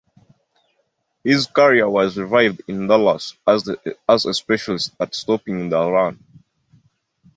His career was revived in Dallas as a specialist at stopping the run.